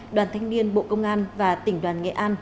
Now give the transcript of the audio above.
đoàn thanh niên bộ công an và tỉnh đoàn nghệ an